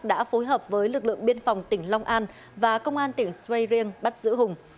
đã phối hợp với lực lượng biên phòng tỉnh long an và công an tỉnh svreyêng bắt giữ hùng